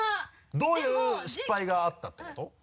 どういう失敗があったってこと？